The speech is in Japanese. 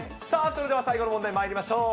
それでは最後の問題まいりましょう。